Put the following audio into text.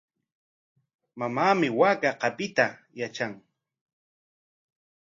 Mamaami waaka qapiytaqa yatran.